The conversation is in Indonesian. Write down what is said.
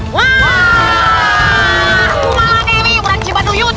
kumala dewi beranji baduyut